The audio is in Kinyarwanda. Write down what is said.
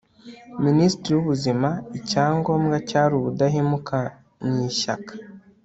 minisitiri w'ubuzima. icyangombwa cyari ubudahemuka mu ishyaka